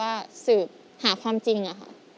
ในการเสื้อปหาความจริงน่ะคะ